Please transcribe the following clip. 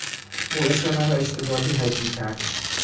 او اسم مرا اشتباهی هجی کرد.